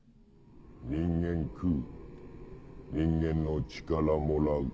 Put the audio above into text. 人間食う人間の力もらう。